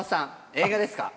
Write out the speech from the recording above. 映画ですか？